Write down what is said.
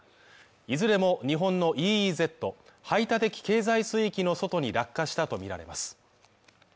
いずれも日本のＥＥＺ＝排他的経済水域の外に落下したとみられます。